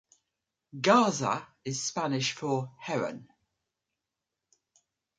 "Garza" is Spanish for "heron".